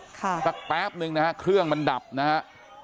สักแป๊บนึงนะฮะเครื่องมันดับนะฮะ